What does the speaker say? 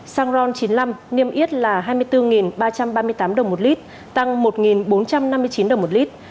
xăng ron chín mươi năm niêm yết là hai mươi bốn ba trăm ba mươi tám đồng một lít tăng một bốn trăm năm mươi chín đồng một lít